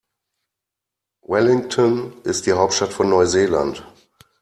Wellington ist die Hauptstadt von Neuseeland.